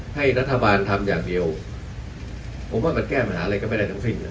ให้รัฐบาลทำอย่างเดียวผมว่ามันแก้ปัญหาอะไรก็ไม่ได้ทั้งสิ้นนะ